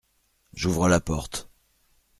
J’ouvre la porte.